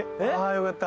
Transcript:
よかった。